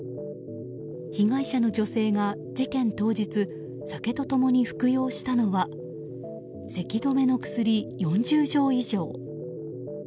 被害者の女性が事件当日酒と共に服用したのはせき止めの薬４０錠以上。